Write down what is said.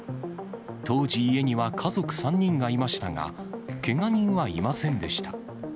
当時、家には家族３人がいましたが、けが人はいませんでした。